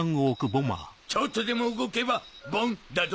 ちょっとでも動けばボン！だど。